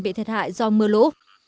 bị thiệt hại do mưa lũ